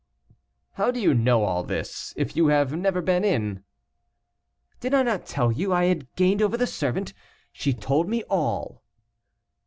"How do you know all this, if you have never been in?" "Did I not tell you I had gained over the servant? She told me all."